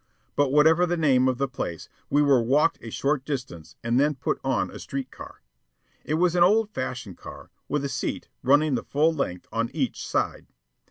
But whatever the name of the place, we were walked a short distance and then put on a street car. It was an old fashioned car, with a seat, running the full length, on each side.